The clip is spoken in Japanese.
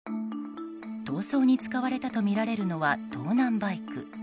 逃走に使われたとみられるのは盗難バイク。